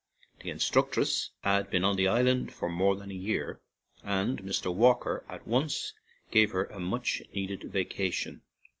The instructress had been on the island for more than a year, and Mr. Walker at once gave her a much needed vacation.